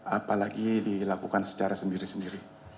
apalagi dilakukan secara sendiri sendiri